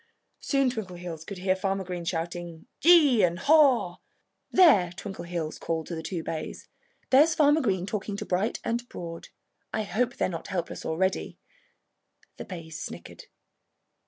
Soon Twinkleheels could hear Farmer Green shouting "Gee!" and "Haw!" "There!" Twinkleheels called to the two bays. "There's Farmer Green talking to Bright and Broad. I hope they're not helpless already." The bays snickered.